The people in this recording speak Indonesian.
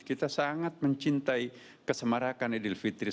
kita sangat mencintai kesemarakan idul fitri